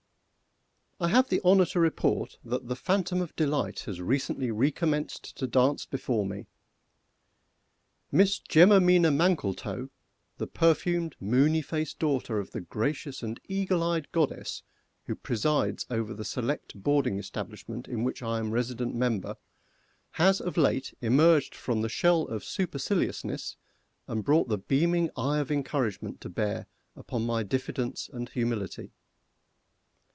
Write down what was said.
_ I have the honour to report that the phantom of delight has recently recommenced to dance before me. [Illustration: "MISS JESSIMINA MANKLETOW."] Miss JESSIMINA MANKLETOW, the perfumed, moony faced daughter of the gracious and eagle eyed goddess who presides over the select boarding establishment in which I am resident member, has of late emerged from the shell of superciliousness, and brought the beaming eye of encouragement to bear upon my diffidence and humility.